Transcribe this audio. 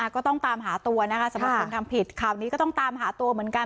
ก็ต้องตามหาตัวนะคะสำหรับคนทำผิดข่าวนี้ก็ต้องตามหาตัวเหมือนกัน